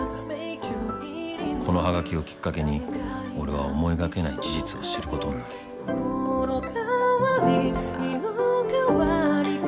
［このはがきをきっかけに俺は思いがけない事実を知ることになる］